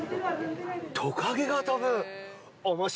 トカゲが飛ぶ？